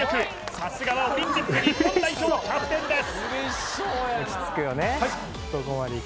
さすがはオリンピック日本代表のキャプテンです